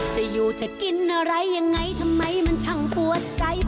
จะอยู่จะกินอะไรยังไงทำไมมันช่างปวดใจ